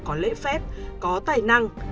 có lễ phép có tài năng